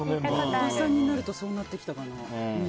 おばさんになるとそうなってきたかな。